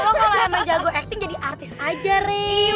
lo kalo sama jago acting jadi artis aja rey